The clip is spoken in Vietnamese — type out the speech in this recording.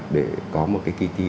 để có một cái kỳ thi